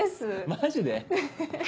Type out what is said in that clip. マジで？